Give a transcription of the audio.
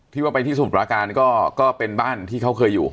ว่าไปที่สมุทราการก็เป็นบ้านที่เขาเคยอยู่